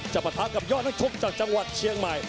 ปะทะกับยอดนักชกจากจังหวัดเชียงใหม่